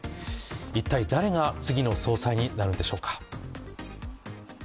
一体、誰が次の総裁になるのでしょうか。